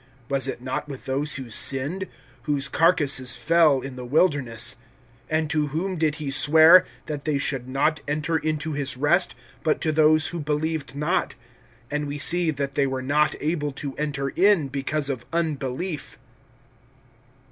Was it not with those who sinned? whose carcasses fell in the wilderness. (18)And to whom did he swear, that they should not enter into his rest, but to those who believed not? (19)And we see that they were not able to enter in, because of unbelief.